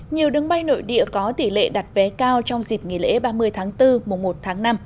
nhiều đứng bay nội địa có tỷ lệ đặt vé cao trong dịp nghỉ lễ ba mươi tháng bốn mùa một tháng năm